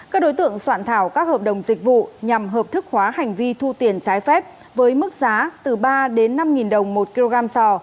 các đối tượng soạn thảo các hợp đồng dịch vụ nhằm hợp thức hóa hành vi thu tiền trái phép với mức giá từ ba đến năm đồng một kg sò